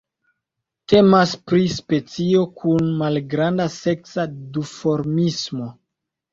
Temas pri specio kun malgranda seksa duformismo.